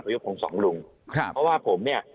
พระยุคคงสองลุงเพราะว่าผมเนี่ย